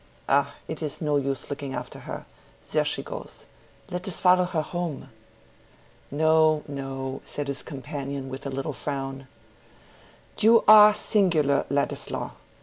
Ah! it is no use looking after her—there she goes! Let us follow her home!" "No, no," said his companion, with a little frown. "You are singular, Ladislaw.